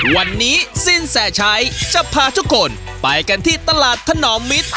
วันนี้สินแสชัยจะพาทุกคนไปกันที่ตลาดถนอมมิตร